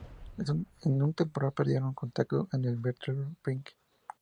En un temporal, perdieron contacto con el "Batchelor Pink".